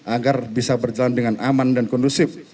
agar bisa berjalan dengan aman dan kondusif